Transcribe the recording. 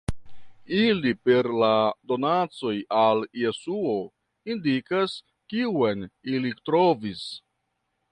Ili per la donacoj al Jesuo indikas Kiun ili trovis.